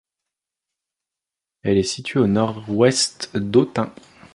Elle est située à au nord-ouest d'Autun.